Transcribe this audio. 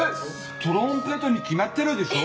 トランペットに決まってるでしょう！